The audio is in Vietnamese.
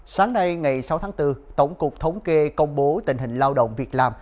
sáng nay ngày sáu tháng bốn tổng cục thống kê công bố tình hình lao động việc làm